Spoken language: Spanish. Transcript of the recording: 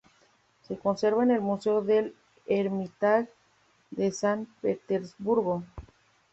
Se conserva en el Museo del Hermitage de San Petersburgo.